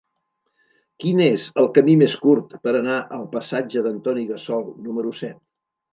Quin és el camí més curt per anar al passatge d'Antoni Gassol número set?